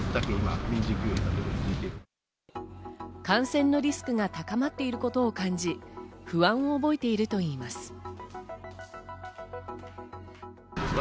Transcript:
感染のリスクが高まっていることを感じ、不安を覚えているといいます。